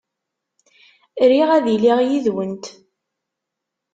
Riɣ ad iliɣ yid-went.